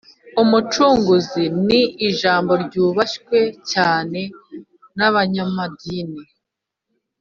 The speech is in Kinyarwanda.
Umucunguzi ni ijambo ryubashywe cyane n’abanyamadini